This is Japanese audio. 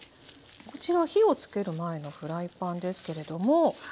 こちらは火をつける前のフライパンですけれどもはい。